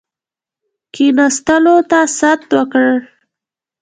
کښېنستلو ته ست وکړ.